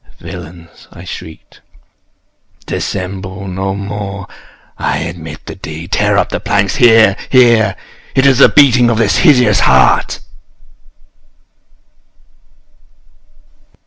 _ "Villains!" I shrieked, "dissemble no more! I admit the deed!—tear up the planks!—here, here!—It is the beating of his hideous heart!"